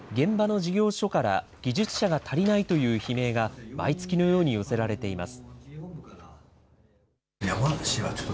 人事部には、現場の事業所から技術者が足りないという悲鳴が毎月のように寄せられています。